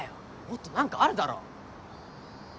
もっと何かあるだろ！